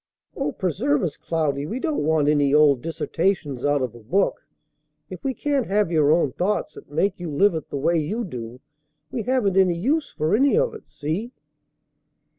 "Oh, preserve us, Cloudy! We don't want any old dissertations out of a book. If we can't have your own thoughts that make you live it the way you do, we haven't any use for any of it. See?"